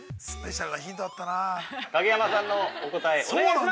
◆影山さんのお答えお願いします！